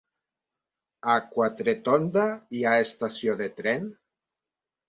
A Quatretonda hi ha estació de tren?